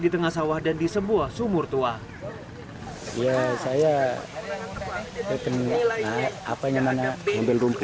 di tengah sawah dan di sebuah sumur tua ya saya terkena apanya mana mobil rumput